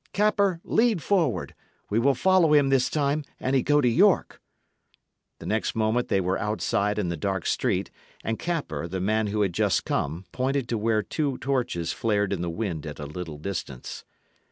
Capper, lead forward. We will follow him this time, an he go to York." The next moment they were outside in the dark street, and Capper, the man who had just come, pointed to where two torches flared in the wind at a little distance.